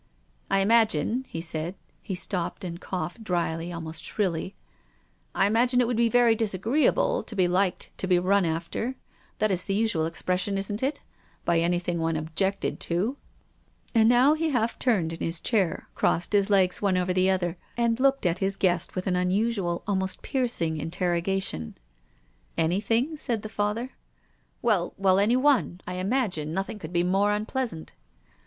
" I imagine," he said, — he stopped and coughed drily, almost shrilly —" I imagine it would be very disagreeable to be liked, to be run after — that is the usual expression, isn't it — by anything one objected to." 284 TONGUES OF CONSCIENCE. And now he half turned in his chair, crossed his legs one over the other, and looked at his guest with an unusual, almost piercing interroga tion. " Anything ?" said the Father. " Well — well, anyone. I imagine nothing could be more unpleasant."